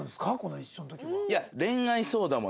一緒の時は。